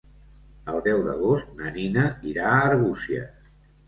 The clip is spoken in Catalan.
El deu d'agost na Nina irà a Arbúcies.